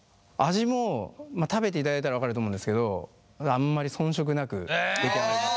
味も食べていただいたら分かると思うんですけどあんまり遜色なく出来上がります。